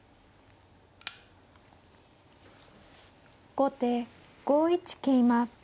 後手５一桂馬。